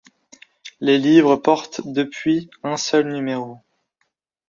Les livres portent depuis un seul numéro.